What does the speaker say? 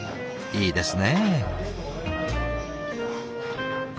いいですね。